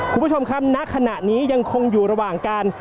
คุณผู้ชมครับณขณะนี้ยังคงอยู่ระหว่างการ